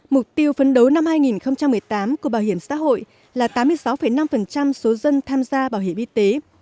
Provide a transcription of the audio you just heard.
mục tiêu phấn đấu năm hai nghìn một mươi tám của bảo hiểm xã hội là tám mươi sáu năm số dân tham gia bảo hiểm y tế